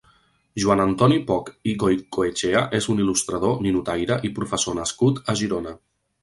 Joan Antoni Poch i Goicoetxea és un il·lustrador, ninotaire i professor nascut a Girona.